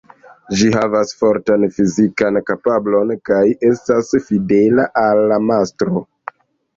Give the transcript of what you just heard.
Ĝi havas fortan fizikan kapablon kaj estas fidela al la mastro.